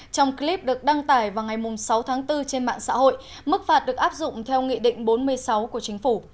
trong clip được đăng tải vào ngày sáu tháng bốn trên mạng xã hội mức phạt được áp dụng theo nghị định bốn mươi sáu của chính phủ